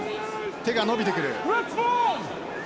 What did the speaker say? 手が伸びてくる。